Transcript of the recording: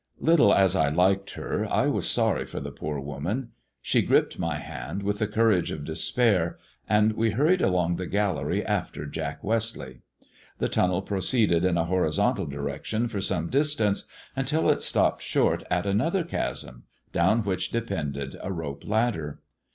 liittle as I liked her I was sorry for the poor woman. She gripped my hand with the courage of despair, and we hurried along the gallery after Jack Westleigh. The tunnel proceeded in a horizontal direction for some distance until it stopped short at another chasm, down which depended a rope ladder.